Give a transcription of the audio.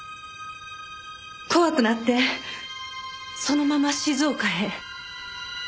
怖くなってそのまま静岡へ。